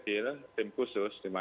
terima kasih pak